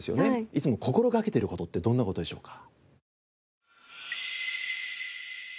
いつも心がけてる事ってどんな事でしょうか？